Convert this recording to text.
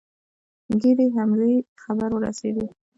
ګډې حملې خبر ورسېدی.